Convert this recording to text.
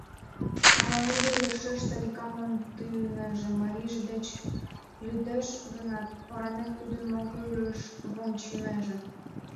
Ала ынде йӧршеш Саликам мондынеже, марийже деч лӱдеш гынат, оранек тудын могырыш вончынеже?